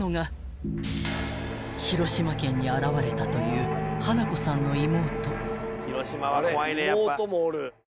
［広島県に現れたという花子さんの妹］